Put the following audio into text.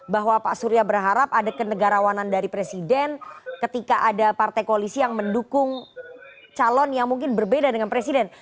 bahwa pak surya berharap ada kenegarawanan dari presiden ketika ada partai koalisi yang mendukung calon yang mungkin berbeda dengan presiden